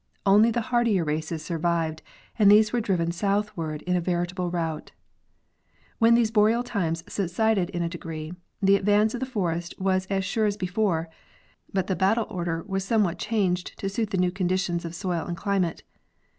Only the hardier races survived, and these were driven southward in a veritable rout. When these boreal times subsided in a degree, the advance of the forest was as sure as before; but the battle order was some what changed to suit the new conditions of soil and climate.